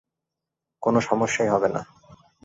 কোন সমস্যাই হবে না।